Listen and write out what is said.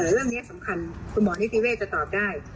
เรื่องนี้สำคัญคุณหมอนิติเวศจะตอบได้